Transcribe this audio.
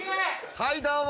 はいどうも。